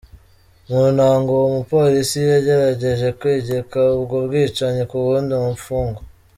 Mu ntango uwo mupolisi yagerageje kwegeka ubwo bwicanyi ku wundi mupfungwa.